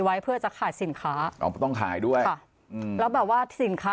ไว้เพื่อจะขายสินค้าอ๋อต้องขายด้วยค่ะอืมแล้วแบบว่าสินค้า